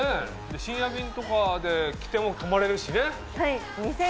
深夜便とかで来ても泊まれるしね。